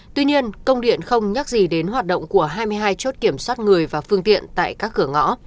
tuy nhiên công điện không nhắc gì đến hoạt động của hai mươi hai chốt kiểm soát người và phương tiện tại các cửa ngõ